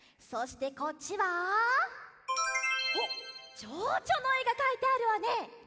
そしてこっちはおっチョウチョのえがかいてあるわね。